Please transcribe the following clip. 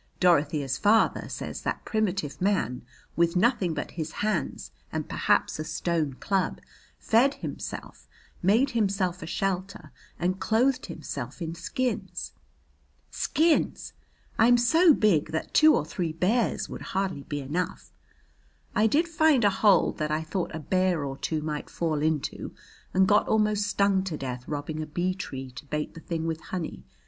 Dorothea's father says that primitive man, with nothing but his hands and perhaps a stone club, fed himself, made himself a shelter, and clothed himself in skins. Skins! I'm so big that two or three bears would hardly be enough. I did find a hole that I thought a bear or two might fall into, and got almost stung to death robbing a bee tree to bait the thing with honey.